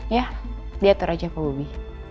ya diatur aja pak bubi